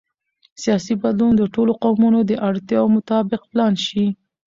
سیاسي بدلون د ټولو قومونو د اړتیاوو مطابق پلان شي